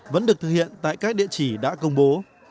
vẫn được thực hiện tại các địa chỉ đã công bố